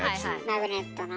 マグネットのね。